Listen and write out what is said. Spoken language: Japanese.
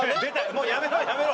もうやめろやめろ。